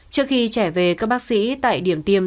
trước khi trẻ về các bác sĩ tại điểm tiêm